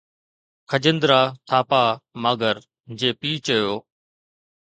Khajendra Thapa Maggar جي پيء چيو